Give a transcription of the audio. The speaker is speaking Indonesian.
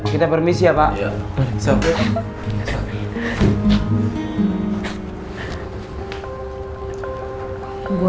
kita permisi ya pak